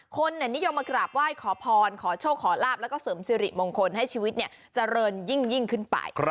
คนนิยมมากราบไหว้ขอพรขอโชคขอลาบแล้วก็เสริมสิริมงคลให้ชีวิตเจริญยิ่งขึ้นไป